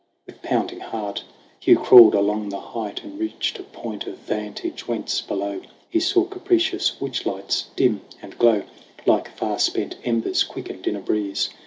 With pounding heart Hugh crawled along the height And reached a point of vantage whence, below, He saw capricious witch lights dim and glow Like far spent embers quickened in a breeze.